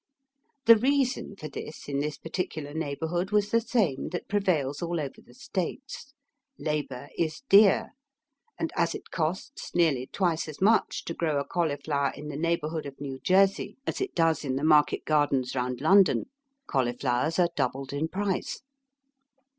The reason for this in this particular neighbourhood was the same that prevails all over the States. Labour is dear, and as it costs nearly twice as much to grow a cauliflower in the neighbourhood of New Jersey as it does in the market gardens Digitized by VjOOQIC THE LABOUB QUESTION. 145 round London, cauliflowers are doubled in price.